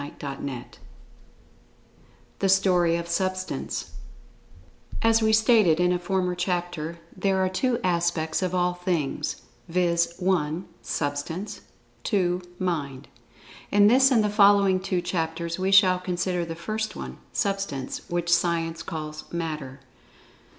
[Pg 61] CHAPTER V THE STORY OF SUBSTANCE AS we stated in a former chapter, there are two Aspects of All Things, viz., (1) Substance; (2) Mind. In this and the following two chapters we shall consider the first one, Substance, which Science calls "Matter."